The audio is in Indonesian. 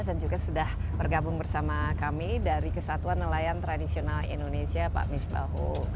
dan juga sudah bergabung bersama kami dari kesatuan nelayan tradisional indonesia pak miss bahu